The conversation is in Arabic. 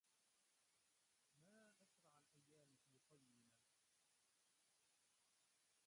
ما أسرع الأيام في طينا